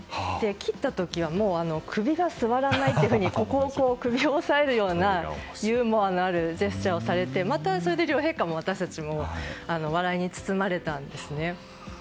切った時は、首がすわらないと首を押さえるようなユーモアのあるジェスチャーをされてまた両陛下も私たちも笑いに包まれたんですね。